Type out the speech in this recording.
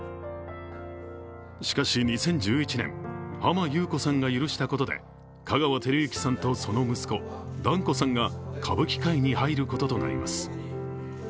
しかし２０１１年、浜木綿子さんが許したことで香川照之さんとその息子、團子さんが歌舞伎界に入ることとなります。